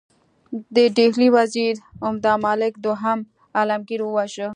د ډهلي وزیر عمادالملک دوهم عالمګیر وواژه.